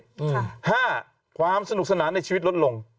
สี่จุดช่วยในความสนุกในชีวิตลดลง